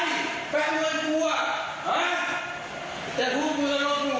แล้วทำไมตาตูงนักเขียวอ่ะ